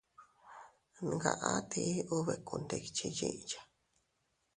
Ngaʼa ti ubekundikchi yiya.